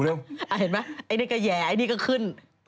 เห็นไหมไอ้นี่ก็แห่ไอ้นี่ก็ขึ้น